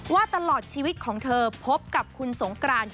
ว่าตลอดชีวิตของเธอพบกับคุณสงกราน